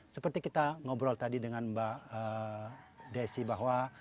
seperti kita ngobrol tadi dengan mbak desi bahwa